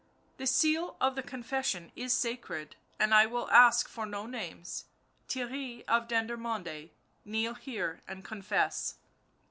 ..."" The seal of the confession is sacred, and I will ask for no names. Theirry of Dendermonde, kneel here and confess."